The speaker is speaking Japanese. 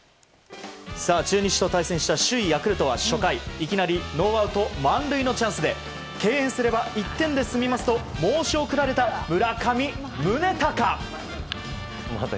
中日と対戦した首位ヤクルトは初回、いきなりノーアウト満塁のチャンスで敬遠すれば１点で済みますと申し送られた村上宗隆。